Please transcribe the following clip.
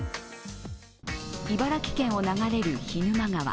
茨城県を流れる涸沼川。